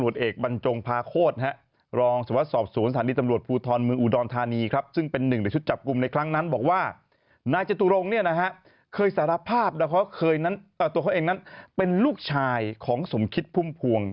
เจศตุรงค์เนี่ยนะฮะเคยสารภาพเคยนั้นตัวเขาเองนั้นเป็นลูกชายของสมคิดพุ่มพวง